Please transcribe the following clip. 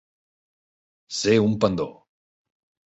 Ser un pendó.